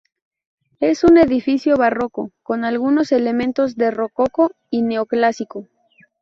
Es un edificio barroco, con algunos elementos de rococó y neoclásico.